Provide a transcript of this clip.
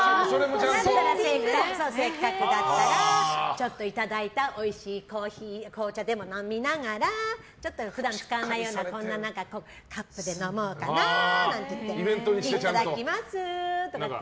せっかくだったらちょっといただいたおいしい紅茶でも飲みながらちょっと普段使わないようなカップで飲もうかななんて言っていただきますとかって。